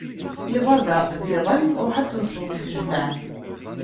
Iḍ-a diɣen, ruḥ ad tenseḍ deg tejmeɛt.